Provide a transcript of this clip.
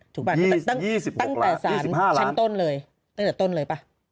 ป่ะตั้งแต่สารชั้นต้นเลยตั้งแต่ต้นเลยป่ะ